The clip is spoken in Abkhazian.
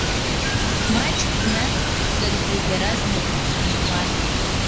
Маҷк днадҵыргьы, иаразнак дхынҳәуан.